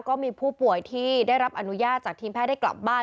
ก็มีผู้ป่วยที่ได้รับอนุญาตจากทีมแพทย์ได้กลับบ้าน